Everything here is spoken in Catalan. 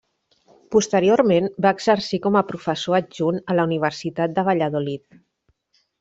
Posteriorment, va exercir com a professor adjunt a la Universitat de Valladolid.